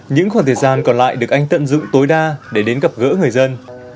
những khoảng thời gian còn lại được anh tận dụng tối đa để đến gặp gỡ người dân